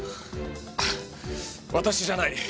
私じゃない。